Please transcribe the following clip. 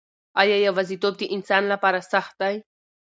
آیا یوازیتوب د انسان لپاره سخت دی؟